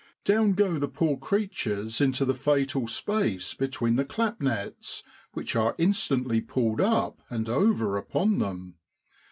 Down go the poor creatures into the fatal space between the clap nets, which are instantly pulled up and over upon them.